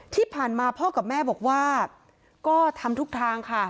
ที่ผ่านมาพ่อกับแม่บอกว่าก็ทำทุกทางค่ะ